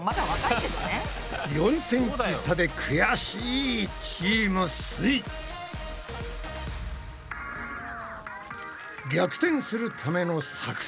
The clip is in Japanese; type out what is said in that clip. ４ｃｍ差でくやしいチームすイ。逆転するための作戦は？